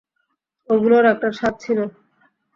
ওগুলোর একটা স্বাদ ছিল।